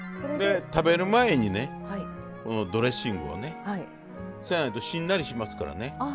で食べる前にねこのドレッシングをね。そやないとしんなりしますからね。